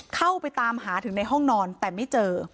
เข้าไปตามหาถึงในห้องนอนแต่ไม่เจอ